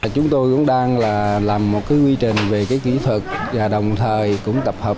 chúng tôi cũng đang làm một quy trình về kỹ thuật và đồng thời cũng tập hợp